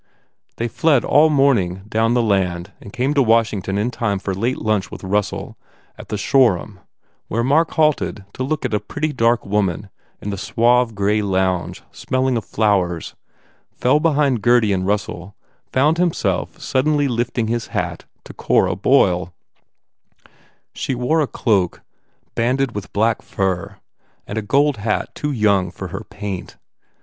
They fled all morning down the land and came to Washington in time for late lunch with Russell at the Shoreham where Mark halted to 224 BUBBLE look at a pretty, dark woman in the suave, grey lounge smelling of flowers, fell behind Gurdy and Russell, found himself suddenly lifting his hat to Cora Boyle. She wore a cloak banded with black fur and a gold hat too young for her paint.